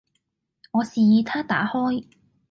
我示意他打開